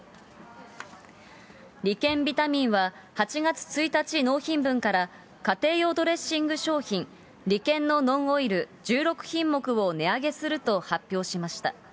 理研ビタミンは、８月１日納品分から、家庭用ドレッシング商品、リケンのノンオイル１６品目を値上げすると発表しました。